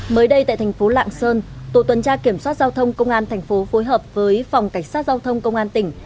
mới đây tại thành phố lạng sơn tổ tuần tra kiểm soát giao thông công an thành phố phối hợp với phòng cảnh sát giao thông công an tỉnh